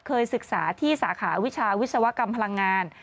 เคยศึกษาที่สาขาวิชาวิศวกรรมพลังงาน